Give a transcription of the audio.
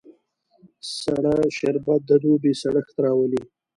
سړه شربت د دوبی سړښت راولي